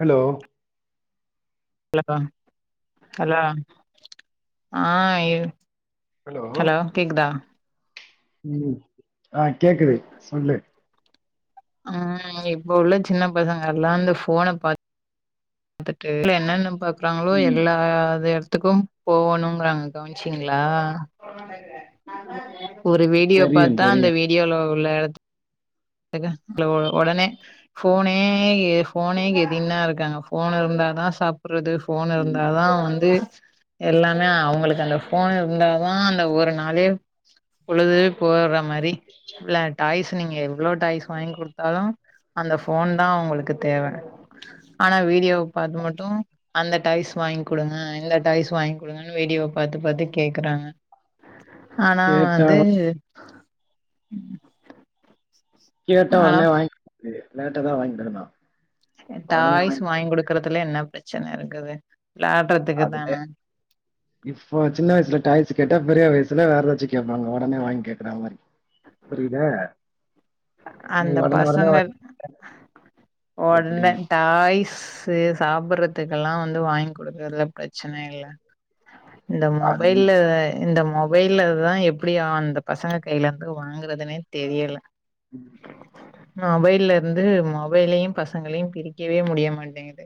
Hello hello hello ஆ hello கேக்குதா ம் ஆ கேக்குது சொல்லு ம் இப்ப உள்ள சின்ன பசங்க எல்லா இந்த போன பாத் துட்டு [inaudible] என்னென்ன பாக் குறாங்களோ எல்லா இது த்துக்கும் போவுணுங்கறாங்க கவனிச்சீங்களா ஒரு வீடியோ தெரியு பாத்தா அந்த தெரியு வீடியோல உள்ள தேக இல்ல ஒ ஒடனே ஃபோனே ஃபோனே கெதின்னா இருக்காங்க ஃபோன் இருந்தாதா சாப்புட்றது ஃபோன் இருந்தா தான் வந்து எல்லாமே அவங்களுக்கு அந்த ஃபோன் இருந்தாதா அந்த ஒரு நாளே பொழுது போற மாரி வில்லான் டாய்ஸ் நீங்கவு எவ்வளோ டாய்ஸ் வாங்கி குடுத்தாலும் அந்த ஃபோன் தா அவங்களுக்கு தேவ ஆனா வீடியோ பாத்து மட்டு அந்த டாய்ஸ் வாங்கி குடுங்க இந்த டாய்ஸ் வாங்கி குடுங்கன்னு வீடியோ பாத்து பாத்து கேக்குறாங்க ஆனா கேட்டா வந்து கேட்டா ஆனா ஒடனே [unintelligible] லேட்டா தா வாங்கி தர நா அ டாய்ஸு வாங்கி குடுக்குற அதுல என்ன பிரச்சன இருக்குது விளாடுறதுக்கு தான அதுல இப்போ சின்ன வயசுல டாய்ஸ் கேட்டா பெரிய வயசு சுல வேற ஏதாச்சும் கேப்பாங்க ஒடனே வாங்கி கேக்குற மாரி புரியுதா நீ அந்த ஒடனே ஒடனே பசங்க [unintelligible] ஒடனே டாய்ஸ்ஸு சாப்புட்ற த்துக்கெல்லா வந்து வாங்கி குடுக்கறதுல பிரச்சன இல்ல இந்த அது நீ மொபைல்ல இந்த மொபைல்லதா எப்புடியா அந்த பசங்க கையிலந்து வாங்குறதுனே தெரியல [inaudible] மொபைல்ல இருந்து மொப் மொபைலையும் பசங்களையும் பிரிக்கவே முடிய மாட்டேங்குது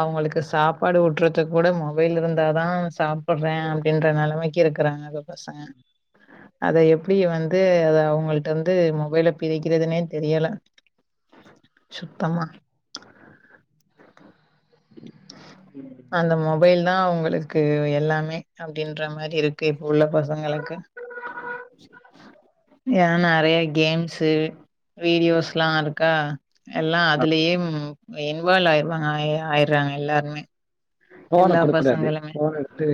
அவங்களுக்கு சாப்பாடு ஊட்றதுக் கூட மொபைல் இருந்தாதா சாப்புட்றேன் அப்புடின்ற நெலமைக்கி இருக்குறாங்க இப்ப பசங்க அத எப்புடி வந்து அது அவங்கள்ட்டந்து மொபைல பிரிக்கிறதுனே தெரியல சுத்தமா அந்த மொபைல் தா அவங்களுக்கு எல்லாமே அப்டின்ற மாரி இருக்கு இப்ப உள்ள பசங்களுக்கு ஏ நறையா கேம்ஸ்ஸு வீடியோஸ்லா இருக்கா எல்லா அதுலயே ம் இன்வால்வ் ஆயிருவாங்க ஆய்யா ஆய் ட்ராங்க எல்லாருமே ஃபோன குடுக் கூடாது பசங்களுமே. ஃபோன எடுத்து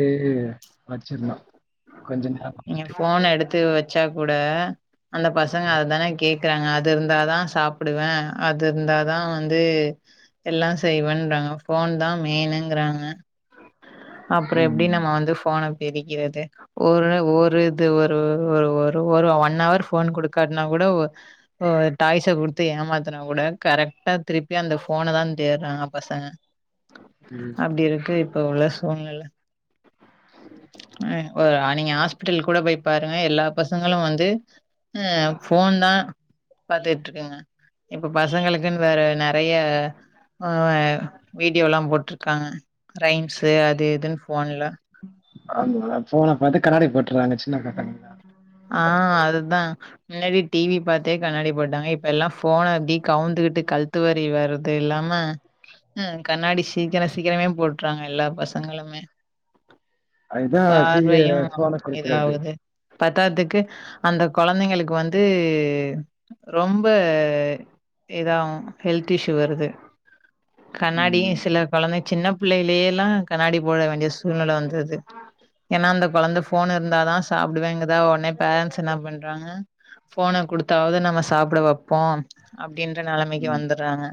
வச்சிர்னும் கொஞ்ச [unintelligible] ச்சா கூட அந்த பசங்க அதுதானே கேக்குறாங்க அது இருந்தாதா சாப்புடுவே அது இருந்தாதா வந்து எல்லா செய்வேன்றாங்க ஃபோன் தா மெயினுங்குறாங்க அப்புறோ எப்டி ம் நம்ம வந்து ஃபோன தெரிகிறது ஒரு ஒரு இது ஒரு ஒரு ஒரு ஒரு ஒன்னவர் ஃபோன் குடுக்காட்னா கூட உ டாய்ஸை குடுத்து ஏமாத்தனா கூட கரெக்டா திருப்பி அந்த ஃபோன தா தேட்றாங்க பசங்க ம். அப்டி இருக்கு இப்ப உள்ள சூழ்நில [unintelligible] நீங்க ஹாஸ்பிட்டல் கூட போய் பாருங்க எல்லா பசங்களும் வந்து அ ஃபோன்னா பாத்துட்ருக்குங்க இப்ப பசங்களுக்குன்னு வேற நறைய ஆ வே வீடியோலா போட்ருக்காங்க அது இதுன்னு ஃபோன்ல ஆமா ஃபோன பாத்து கண்ணாடி போட்ற்றாங்க சி ன பசங்களா ஆ அதுதா முன்னாடி டிவி பாத்தே கண்ணாடி போட்டாங்க இப்ப எல்லா போஃன அப்டி கவுந்துகுட்டு கழுத்து வலி வர்றது இல்லாம ம் கண்ணாடி சீக்கிர சீக்கிரமே போட்டுறாங்க எல்லா பசங்களுமே அதுதா செய்ய ஃபோன குடுக்குடாது பத்தாதுக்கு அந்த கொழந்தைங்களுக்கு வந்து ரொம்ப இதாவு ஹெல்த் இஷ்ஷூ வருது கண்ணாடியு ம் சில கொழந்த சின்னப் பிள்ளையிலயெல்லா கண்ணாடி போட வேண்டிய சூழ்நெல வந்தது ஏனா அந்த கொழந்த ஃபோன் இருந்தா தா சாப்டுவேங்கு தா ஒடனே பேரண்ட்ஸ் என்ன பண்றாங்க ஃபோன குடுத்தாவது நம்ம சாப்ட வெப்போ அப் டின்ற நெலமைக்கு ம் வந்துட்றாங்க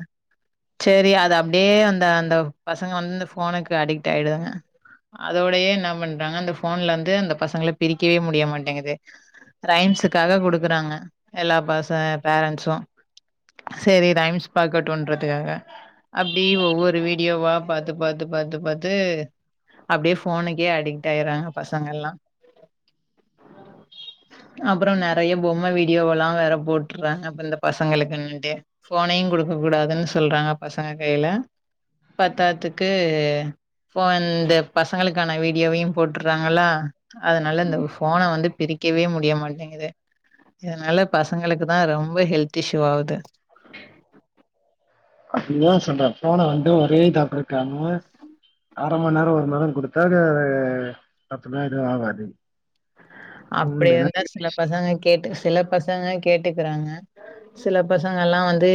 சரி அது அப்டியே அந்த அந்த பசங்க வந்து இந்த ஃபோனுக்கு அடிக்ட் ஆயிடுறாங்க அதோடயே என்ன பண்றாங்க அந்த ஃபோன்ல இருந்து அந்த பசங்கள பிரிக்கவே முடியமா டேங்குது ரைம்ஸுக்காக குடுக்குறாங்க எல்லா பச பேரன்ஸ்ஸு சரி ரைம்ஸ் பாக்கட்டுன்றதுக்காக அப்டி ஒவ்வொரு வீடியோவா பாத்து பாத்து பாத்து பாத்து அப்டியே ஃபோனுக்கே அடிக்ட் ஆய்றாங்க பசங்கள்லா அப்புறோ நெறைய பொம்ம வீடியோவெல்லா வெற போட்டுறாங்க இப்ப இந்த பசங்களுக்குண்ணுடு ஃபோனையு குடுக்க கூடாதுன்னு சொல்றாங்க பசங்க கையில பத்தாதுக்கு ஃபோன் இந்த பசங்களுக்கான வீடியோவையு போட்டுறாங்களா அது நல்ல இந்த உஃப் ஃபோன வந்து பிரிக்கவே முடியமாட்டேங்குது இதனால பசங்களுக்கு தா ரொம்ப ஹெல்த் இஷ்ஷூ ஆகுது அப்டிதா சொல்றே ஃபோன வந்து ஒரே இதா குடுக்காம அர மணி நேரோ ஒரு மணி நேரோ கொடுத்தா அது அப்டிலா எதுவு ஆகாது அப்டி ஃபோன்லனா இருந்தா சில பசங்க கேட்டு சில பசங்க கேட்டுக்குறாங்க சில பசங்கள்லா வந்து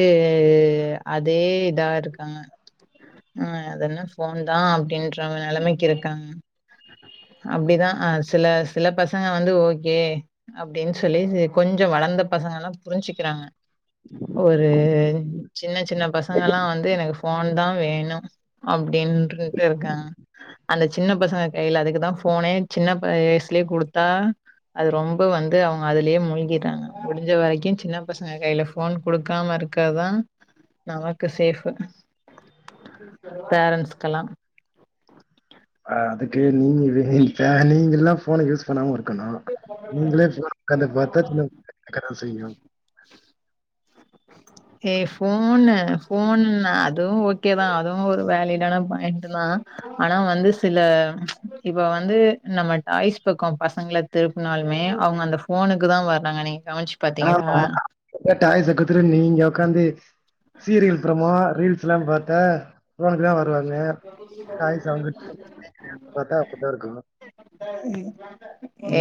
அதே இதா இருக்காங்க ஆ அதென ஃபோன் தா அப்டின் ற நெலமைக்கு இருக்காங்க அப்டிதா அ சில சில பச் சங்க வந்து ஓகே அப்டின்னு சொல்லி செ கொஞ்சோ வளந்த பசங்களா புரிஞ்சுக்குறாங்க ஒரு சின்ன சின்ன பசங்கள்லா வந்து எனக்கு ஃபோன் தா வேணு அப் டின்ட்டுருக்கு இருக்காங்க அந்த சின்ன பசங்க கையில அதுக்கு தா ஃபோனே சின்ன வயசுலயே குடுத் தா அது ரொம்ப வந்து அவங்க அதுலயே மூழ்கிட்றாங்க முடிஞ்ச வரைக்கு சின்ன பசங்க கையில ஃபோன் குடுக்காம இருக்கதா நமக்கு சேஃப் பேரண்ட்ஸ்கெல்லா அ அதுக்கு நீங்க [unintelligible] நீங்கல்லா ஃபோன யூஸ் பண்ணாம இருக் க்கனு நீங்களே ஃபோன் உக்காந்து பாத்தா சின்ன [inaudible] கேக்கதா செய்யு ஏ ஃபோன்னு ஃபோனு நா அதுவு ஓகேதா அதுவு ஒரு வேலிடான பாயிண்ட் தா ஆனா வந்து சில இப்ப வந்து நம்ம டாய்ஸ் பக்கொ பசங்கள திருப்புனாலுமே அவங்க அந்த ஃபோனுக்கு தா வர்றாங்கனே ஆமா இப்ப டாய்ஸ குடுத்துட்டு நீங்க உக்காந்து சீரியல் அப்புறமா ரீல்ஸ்லா பாத்தா ஃபோனுக்கு தா வருவாங் பாத்தா அப்டிதா இருக்கு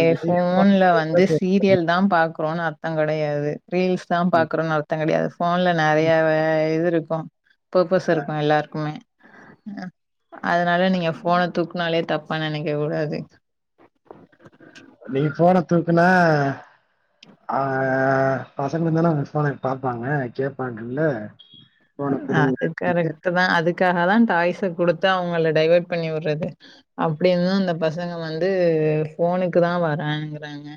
ஏ நீ ஃபோன்ல ஃபோன வந்து சீரியல் தா பாக்குறோனு அர் தொ கெடையாது ரீல்ஸ் தா ம். பாக்குறோனு அர்த்தோ கெடையாது ஃபோன்ல நறைய ம். வ இது இருக்கு பப்பஸ் இருக்கு எல்லாருக்குமே அதுனால நீங்க ஃபோன தூக்குனாலே தப்பா நெனைக்கக் கூடாது நீங்க ஃபோன தூக்குனா ஆ பசங்க தான ஃபோனே பாப்பாங்க கேப்பாங்கல்ல அது கரெக்ட்டுதா அதுக் காகதா டாய்ஸ குடுத்து அவுங்கள டைவேட் பண்ணி உர்றது அப்டிருந்து அந்த பசங்க வந்து ஃபோனுக்கு தா வரங்குறாங்க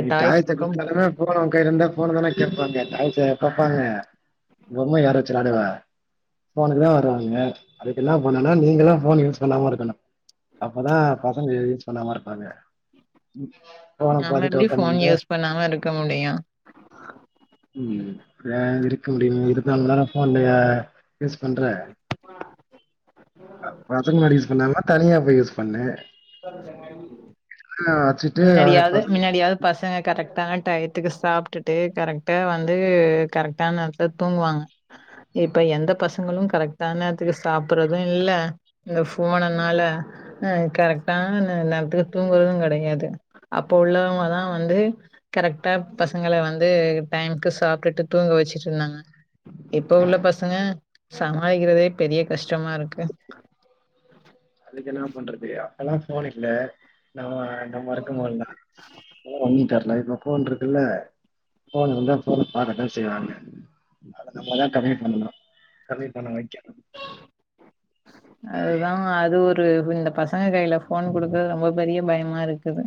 நீ டாய்ஸ குடுத்தாலுமே அ ஃபோன் அவ கைலருந்தா ஃபோன தான கேப்பாங்க டாய்ஸா கேப் பாங்க பொம்ம யாரு வெச்சி வ்ளாடுவா ஃபோனுக்கு தா வருவாய்ங்க அதுக்கென்னா பண்ணுனா நீங்கதா ஃபோன் யூஸ் பண்ணாம இருக்கணு அப்பதா பசங்க யூஸ் பண்ணாம இருப்பாங்க ஃபோன நம்ம பாத்துட்டு எப்டி ஃப் ஃபோன் உக்காந்துருந்தா யூஸ் பண்ணாம இருக்க முடியு ம் [unintelligible] க முடியு இருத்நாள் மண்நேரொ ஃபோன் லையா யூஸ் பண்ற பசங்க முன்னாடி யூஸ் பண்ணாம தனியா போய் யூஸ் பண்ணு ஆ வச்சுட்டு அ முன்னாடியாவ்து பசங்க மின்னாடியாவ் பசங்க கரெக்ட்டான டயத்துக்கு சாப்ட்டுட்டு கரெக்ட்டா வந்து கரெக் டான நேர்த்துல தூங்குவாங்க இப்பெ எந்த பசங்களு கரெக்ட்டா நேர்த்துக்கு சாப்புர்றது இல்ல இந்த ஃபோனுன்னால அ கரெக் டான ந நேர்த்துக்கு தூங்குறதுங் கடையாது அப்போ உள்ளவங்கதா வந்தூ கரெக்ட்டா பசங்கள வந்தூ டைம்க்கு சாப்ட்டுட்டு தூங்க வெச்சிட்ருந்தாங்க இப்ப உள்ள பசங்க சமாளிக்கிறதே பெரிய கஷ்டமாருக்கு அதுக்கென்னா பண்றது அப்பல்லா ஃபோனில்ல நம்ம நம்மொருக்கமோத்லா ஓ வந்த்ட்டாரு [unintelligible] ஃபோன்ருக்குல்ல ஃபோன் வந்தா ஃபோனா பாக்கதா செய்வாங்க அத நம்ம தா கம்மி பண்ணணு கம்மி பண்ண வெக்கெ அதுதா [unintelligible] இந்த பசங்க கைல ஃபோன் குடுக்கற்து ரொம்போ பெரிய பயமாருக் குது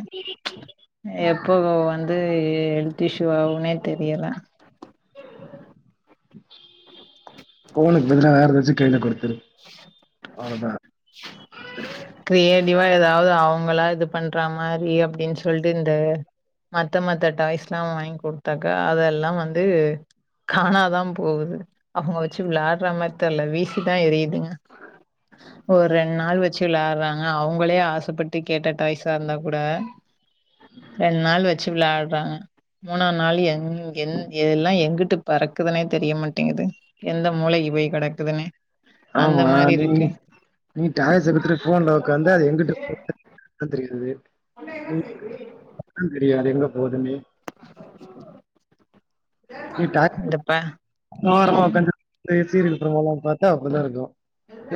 எப் போ வந்தூ ஹெல்த்திஷுவாவுனே தெரியல ஃபோனுக் பதிலா வேற எதாச்சி கைல குடுத் துரு அவ்ளோதா கிரெயேல் முடிவா ஏதாவது அவுங்களா இது பண்றா மாரி அப்பிடின் சொல்ட்டு இந்தே மத்த மத்த டாய்ஸ்ல்லா வாய்ங்கி கொடுத்தாக்கா அதெல்லா வந்தூ காணாதா போகுது அவுங்க வச்சி விளாட்ற மார் தெர்லெ வீசிதா எரியுதுங்க ஒர் ரெண் நாள் வெச் சி விளார்றாங்க அவுங்களே ஆசப்பட்டு கேட்டெ டாய்சாருந்தா குடே ரெண் நாள் வச்சி விளாட்றாங்க மூணா நாளியெ எங் கென் யெல்லா எங்குட்டு பறக்குதுனே தெரியெமட்டேங்குது எந்தெ மூளைக்கி போய் கடக்கிதுனே ஆமா நீ நீ டாய்ஸ் டுக்குர போன்லெ உக்காந்து அது எங்கிட்டு போ பேசுது அக்கா என்னா செய்தூ எங்க போதுமே ட்டா இந்த ப ம் ஓரமாவொக்கான்டு சீரியல் புரோகிராமொவ் பாத்தா அப்டிதாருக்கும்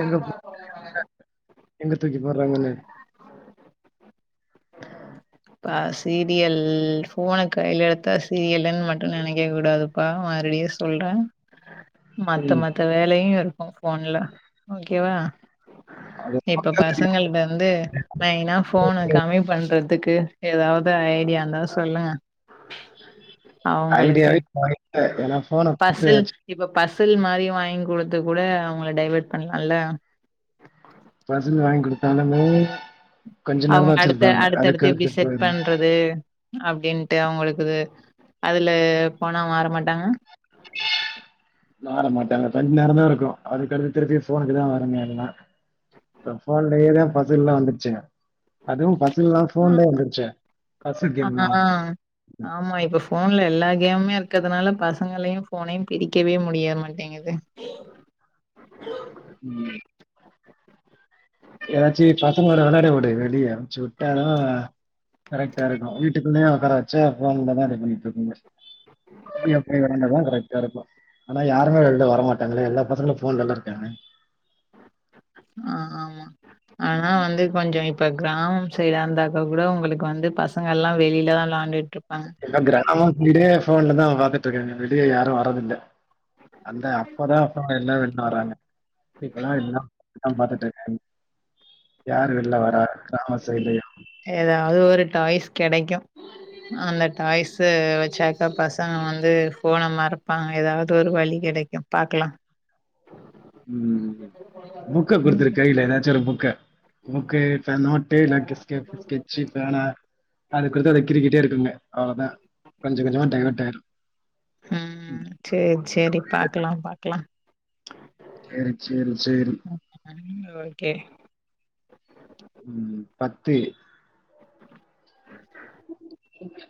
எங்க எங்க தூக்கி போர்றாங்கன்னே ப்பா சீரியல் போன கையிலெடுத் தா சீரியலுன் மட்டு நெனைக கே கூடாதுப்பா மறுபடியு சொல்றே மத்த ம் மத்த வேலெயு உன் போன்லெ ஓகேவா அது இப்பொ பசங்கள்ட்ட வந்து மெயினா போனு கமி பண்றதுக் கு ஏதாவது ஐடியாருந்தா சொல்லுங்க அவங்களுக்கு ஐடியாவே வாங்கி [unintelligible] ஏனா போன குடுத்து பசுல் மாதிரி வாங்கிகுடுத்து கூட அவங்கள டைவேர்ட் பண்ணலாம்ல்ல பசுல் வாங்கி கொடுத்தாலுமே அவங்க அடுத்த அடுத்தடுத்து எப்படி செட் போயிரு பண்றது அப்படின் அவங்களுக்கு அதுல போனா மாற மாட்டாங்க மாற மாட்டாங்க கொஞ்ச நேரம தான் இருக்கும் அதுக்கடுத்து திருப்பி போனுக்கு தான் வருங்க அதெலா இப்ப போன்லேயேதான் பசில்லாம் வந்துருச்சே அதுவும் பசில்லாம் போன்லயே வந்துருச்சே பசில் அ கேம்லாம் ஆ கேமே இருக்கிறதுனால பசங்களையும் போனையும் பிரிக்கவே முடிய மாட்டேங்குது உம் ஏதாச்சும் பசங்களோட விளையாட விடு வெளிய விட்டா கரெக்டா இருக்கும் வீட்டுக்குள்ளயே வச்சா போன்ல தான் பண்ணிக்கோ கரெக்ட இருக்கும் ஆனா யாருமே வெளில வர மாட்டாங்களே எல்லா பசங்களும் போன்லல்லாம் இருக்காங்க ஆஹ் ஆமா ஆனா வந்து கொஞ்சம் இப்போ கிராமம் சைடா இருந்தாக்க கூட உங்களுக்கு வந்து பசங்கள்லாம் வெளியில தான் விளாண்டுட்ட கிராமத்திலே ஃபோன்லதா பாத்துட்ருக்கங்க வெளிய யாரு வர்றதில்ல அந்த அப்போதா ஃபோன் இல்ல வெள்ல வராங்க இப்பல்லா இதா இதா பாத்துட்ருக்கே யார் வெளில வரா கிராம சைட்ல எதாவுது ஒரு டாய்ஸ் கெடைக்கு அந்த டாய்ஸு வெச்சாக்கா பசங்க வந்து ஃபோன மறப்பாங்க எதாவுது ஒரு வழி கெடைக்கு பாக்கலா ம் புக்க குடுத்துரு கைல எதாச்சு ஒரு புக்க புக்கு ப நோட்டு இல்லாட்டி ஸ்க ஸ்கெச்சு பேனா அத குடுத்தா அத கிறுக்கிட்டே இருக்குங்க அவ்வளோதான். கொஞ்சம் கொஞ்சமா டைவர்ட் ஆயிரும். ம் சேரி சேரி பாக்கலா பாக்கலா சேரி சேரி சேரி ம் ஓகே ம் பத்து